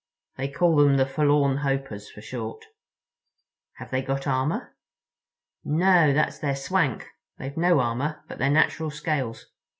They call them the Forlorn Hopers, for short." "Have they got armor?" "No—that's their swank. They've no armor but their natural scales.